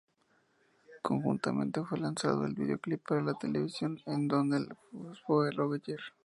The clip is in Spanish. Conjuntamente fue lanzado el videoclip para televisión en donde la voz fue de Roger.